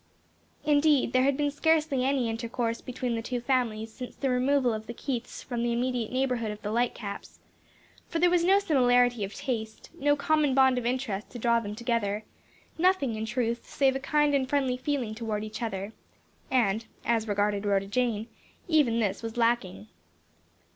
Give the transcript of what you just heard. Indeed there had been scarcely any intercourse between the two families since the removal of the Keiths from the immediate neighborhood of the Lightcaps; for there was no similarity of taste, no common bond of interest to draw them together; nothing in truth, save a kind and friendly feeling toward each other; and as regarded Rhoda Jane, even this was lacking.